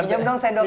minum dong sendoknya